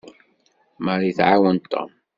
Mary tɛawen Tom.